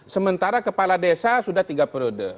sementara kepala desa sudah tiga periode